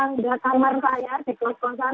karena mungkin kalau misalnya nanti israel sudah dipuasai